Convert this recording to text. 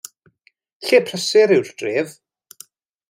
Lle prysur yw'r dref.